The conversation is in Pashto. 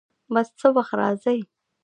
بس څه وخت راځي؟